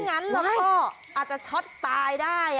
ไม่งั้นล่ะพ่ออาจจะช็อตสายได้